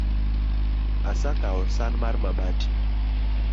Asekawo san mar mabati